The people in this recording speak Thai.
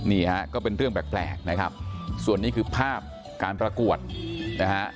นี่ฮะก็เป็นเรื่องแปลกนะครับส่วนนี้คือภาพการประกวดนะฮะ